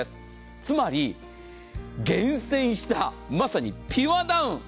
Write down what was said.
つまり厳選した、まさにピュアダウン。